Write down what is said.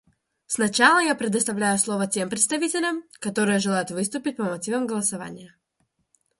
Сначала я предоставляю слово тем представителям, которые желают выступить по мотивам голосования.